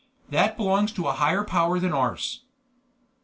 That belongs to a Higher Power than ours!"